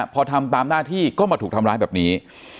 พอทำตามหน้าที่ก็มาถูกทำร้ายแบบนี้